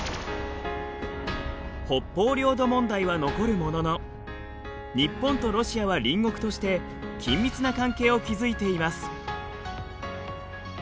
北方領土問題は残るものの日本とロシアは隣国として緊密な関係を築いています。